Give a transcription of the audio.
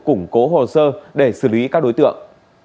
củng cố hồ sơ để xử lý các đối tượng